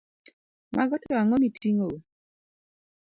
Mago to ang’o miting’ogo?